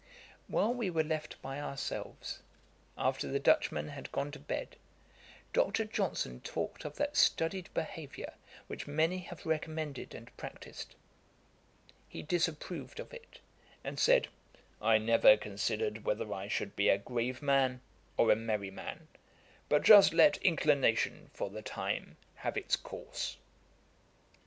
While we were left by ourselves, after the Dutchman had gone to bed, Dr. Johnson talked of that studied behaviour which many have recommended and practised. He disapproved of it; and said, 'I never considered whether I should be a grave man, or a merry man, but just let inclination, for the time, have its course.'